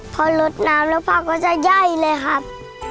ผมก็ช่วยพ่อลดน้ำต้นไม้ครับอย่างนี้ครับพ่อลดน้ำแล้วพ่อก็จะย่ายเลยครับ